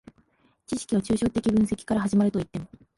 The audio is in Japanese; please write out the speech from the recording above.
知識は抽象的分析から始まるといっても、